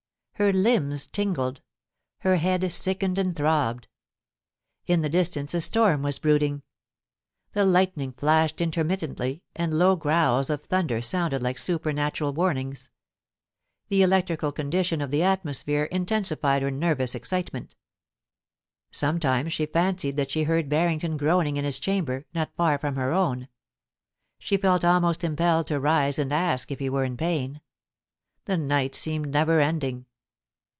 Her limbs tingled : her head sickened and throbbed. In the distance a storm was brooding. The lightning flashed intermittently, and low growls of thunder sounded like supernatural warnings. The electrical condition of the atmosphere intensified her nervous excitement Sometimes she fancied that she heard Barrington groaning in his chamber, not far from her own. She felt almost im pelled to rise and ask if he were in paia The night seemed never ending.